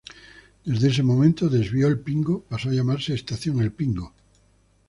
Desde ese momento, "Desvío El Pingo" pasó a llamarse "Estación El Pingo".